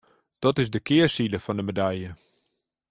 Dat is de kearside fan de medalje.